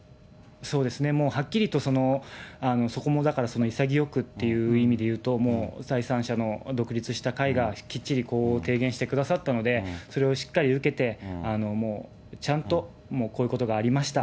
そうですね、もうはっきりと、そこもだから潔くっていう意味で言うと、第三者の独立した会がきっちり提言してくださったので、それをしっかり受けて、ちゃんとこういうことがありました。